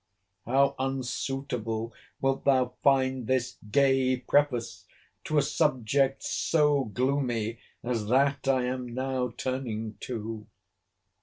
How unsuitable will thou find this gay preface to a subject so gloomy as that I am now turning to!